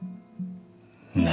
何！？